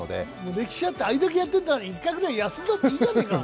歴史あってあれだけやってるんだから１回ぐらい休んだっていいじゃないか。